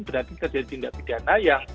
berarti terjadi tindak pidana